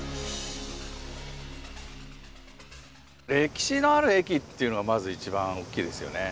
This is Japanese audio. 歴史のある駅というのがまず一番大きいですよね。